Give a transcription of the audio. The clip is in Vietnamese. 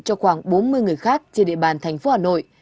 cho khoảng bốn mươi người khác trên địa bàn thành phố hà nội